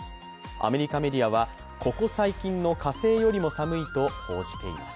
アメリカメディアは、ここ最近の火星よりも寒いと報じています。